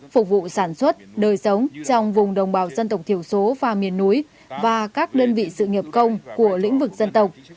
phục vụ sản xuất đời sống trong vùng đồng bào dân tộc thiểu số và miền núi và các đơn vị sự nghiệp công của lĩnh vực dân tộc